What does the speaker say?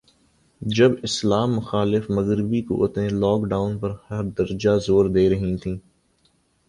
جب اسلام مخالف مغربی قوتیں, لاک ڈاون پر حد درجہ زور دے رہی تھیں